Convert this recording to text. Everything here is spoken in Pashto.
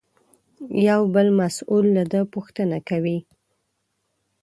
یو بل مسوول له ده پوښتنه کوي.